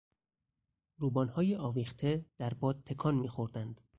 روبانهای آویخته در باد تکان میخوردند.